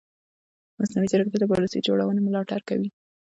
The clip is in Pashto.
مصنوعي ځیرکتیا د پالیسي جوړونې ملاتړ کوي.